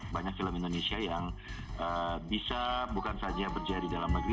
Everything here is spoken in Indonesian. banyak film indonesia yang bisa bukan saja berjaya di dalam negeri